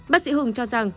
bác sĩ hùng cho rằng